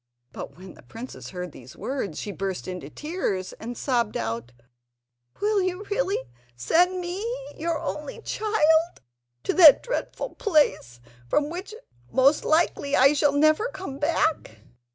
But when the princess heard these words, she burst into tears, and sobbed out: "Will you really send me, your only child, to that dreadful place, from which most likely I shall never come back?"